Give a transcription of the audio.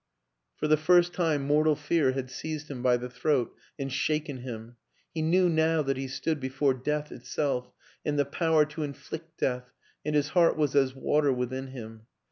For the first time mortal fear had seized him by the throat and shaken him. He knew now that he stood before death itself, and the power to inflict death, and his heart was as water within him.